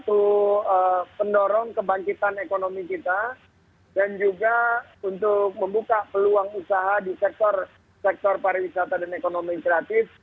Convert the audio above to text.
untuk mendorong kebangkitan ekonomi kita dan juga untuk membuka peluang usaha di sektor pariwisata dan ekonomi kreatif